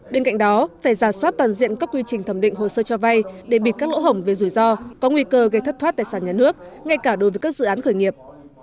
bên cạnh đó phải giả soát toàn diện các quy trình thẩm định hồ sơ cho vay để bịt các lỗ hổng về rủi ro có nguy cơ gây thất thoát tài sản nhà nước ngay cả đối với các dự án khởi nghiệp